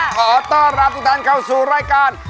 ขอต้อนรับทุกท่านเข้าสู่รายการ